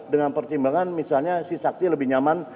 dengan pertimbangan misalnya si saksi lebih nyaman